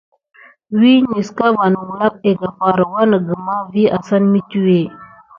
Asa kuka pay nulà va tedafar winaga vi asane mituwé.